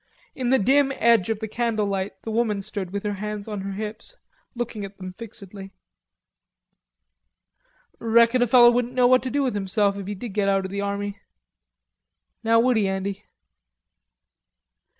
In the dim edge of the candlelight the woman stood with her hands on her hips, looking at them fixedly. "Reckon a feller wouldn't know what to do with himself if he did get out of the army... now, would he, Andy?"